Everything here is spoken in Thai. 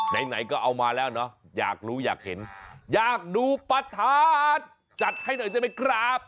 ไหนก็เอามาแล้วเนอะอยากรู้อยากเห็นอยากดูประธานจัดให้หน่อยได้ไหมครับ